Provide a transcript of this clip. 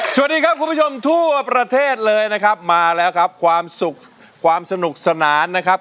สวัสดีครับคุณผู้ชมทั่วประเทศเลยนะครับมาแล้วครับความสุขความสนุกสนานนะครับ